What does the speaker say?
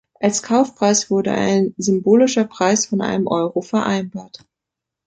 Als Kaufpreis wurde ein symbolischer Preis von einem Euro vereinbart.